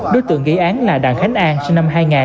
đối tượng ghi án là đảng khánh an sinh năm hai nghìn